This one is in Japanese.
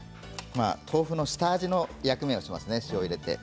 豆腐の下味の役目をします塩を入れて。